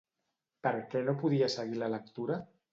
Per què no podia seguir la lectura?